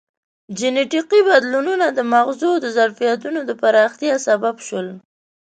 جینټیکي بدلونونه د مغزو د ظرفیتونو د پراختیا سبب شول.